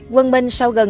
quân minh sau gần